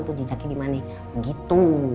tuh jejaknya dimana gitu